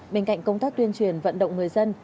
bên cạnh công tác tuyên truyền vận động người dân